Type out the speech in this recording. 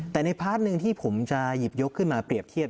แต่ในพาร์ทหนึ่งที่ผมจะหยิบยกขึ้นมาเปรียบเทียบ